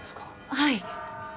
はい。